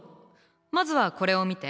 まずはこれを見て。